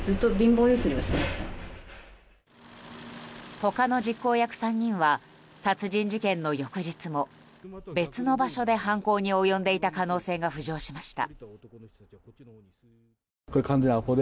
他の実行役３人は殺人事件の翌日も別の場所で犯行に及んでいた可能性が浮上しました。